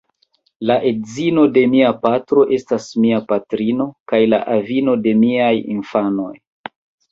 La edzino de mia patro estas mia patrino kaj la avino de miaj infanoj.